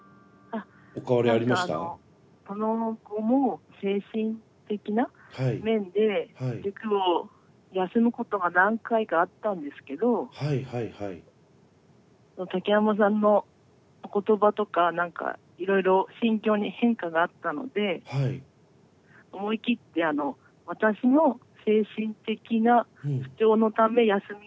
あっ何かあのその後も精神的な面で塾を休むことが何回かあったんですけどその竹山さんのお言葉とか何かいろいろ心境に変化があったので思い切って「私の精神的な不調のため休みます」って言ってみたんですね。